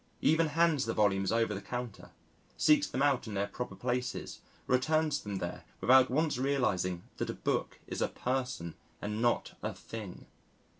He even hands the volumes over the counter, seeks them out in their proper places or returns them there without once realising that a Book is a Person and not a Thing.